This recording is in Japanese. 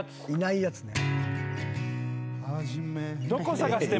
いないやつ。